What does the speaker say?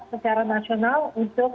secara nasional untuk